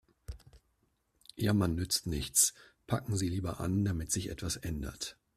Jammern nützt nichts, packen Sie lieber an, damit sich etwas ändert.